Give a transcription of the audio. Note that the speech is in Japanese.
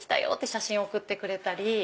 写真を送ってくれたり。